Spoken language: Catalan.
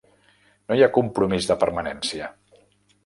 No hi ha compromís de permanència.